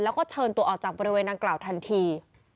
แล้วก็เชิญตัวออกจากบริเวณดังกล่าวทันที